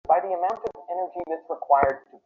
এবং তাদের একটা খুব মিষ্টি হাসি আছে।